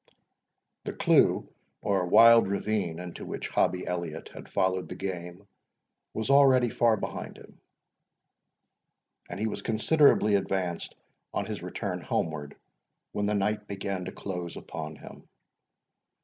The cleugh, or wild ravine, into which Hobbie Elliot had followed the game, was already far behind him, and he was considerably advanced on his return homeward, when the night began to close upon him.